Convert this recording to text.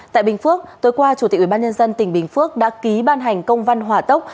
tại bình phước tối qua chủ tịch ubnd tỉnh bình phước đã ký ban hành công văn hỏa tốc